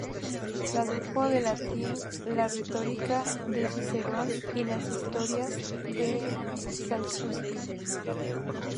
Tradujo del latín la "Retórica" de Cicerón y las "Historias" de Salustio.